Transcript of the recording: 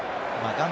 画面